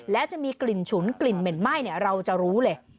และจะมีกลิ่นฉุนกลิ่นเหม็นไหม้เราจะรู้เลย